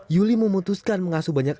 yuli memutuskan mengasuh banyaknya